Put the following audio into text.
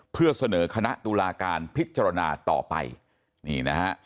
เพื่อเสนอคณะตุลาการพิจารณาต่อไปนี่นะฮะ